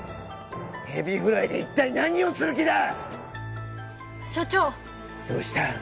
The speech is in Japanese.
エビフライで一体何をする気だ所長どうした？